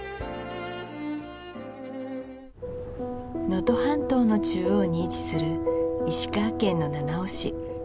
能登半島の中央に位置する石川県の七尾市